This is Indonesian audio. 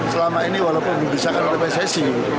selama ini walaupun bisa kan ada sesi